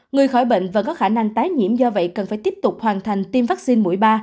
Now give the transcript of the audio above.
người khỏi bệnh và có khả năng tái nhiễm do vậy cần phải tiếp tục hoàn thành tiêm vaccine mũi ba